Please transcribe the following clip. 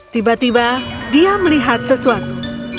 tiba tiba dia melihat sesuatu